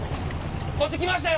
こっち来ましたよ！